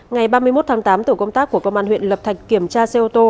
ngày ba mươi một tháng tám tổ công tác của công an huyện lập thạch kiểm tra xe ô tô